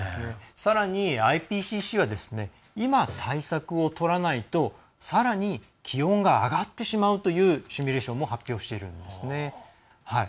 さらにＩＰＣＣは今、対策をとらないとさらに気温が上がってしまうというシミュレーションも発表しているんですね。